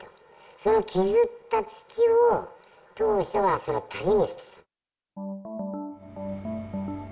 その削った土を当初は、その谷に捨てていた。